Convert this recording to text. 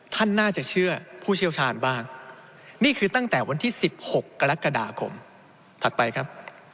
ท่านน่าจะเชื่อผู้เชี่ยวชาญบ้างนี่คือตั้งแต่วันที่๑๖กรกฎาคมถัดไปครับ